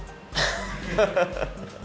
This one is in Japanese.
ハハハハハ。